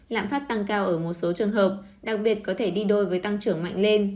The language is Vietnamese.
lạm phát tăng cao ở một số trường hợp đặc biệt có thể đi đôi với tăng trưởng mạnh lên